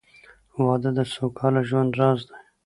• واده د سوکاله ژوند راز دی.